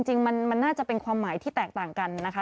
จริงมันน่าจะเป็นความหมายที่แตกต่างกันนะคะ